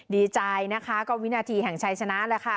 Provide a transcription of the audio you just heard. ดีใจนะคะก็วินาทีแห่งชัยชนะแหละค่ะ